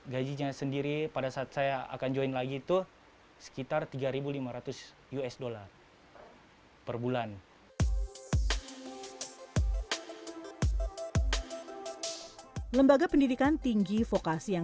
gajinya sendiri pada saat saya akan join lagi itu sekitar tiga lima ratus usd per bulan